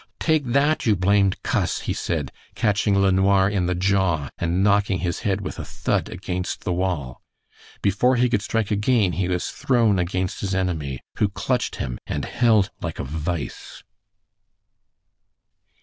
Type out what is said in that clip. "Take that, you blamed cuss," he said, catching LeNoir in the jaw and knocking his head with a thud against the wall. Before he could strike again he was thrown against his enemy, who clutched him and held like a vice.